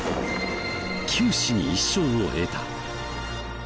九死に一生を得た。